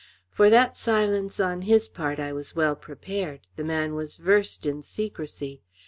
For that silence on his part I was well prepared; the man was versed in secrecy.